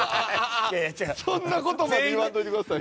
そんな事まで言わんといてくださいよ。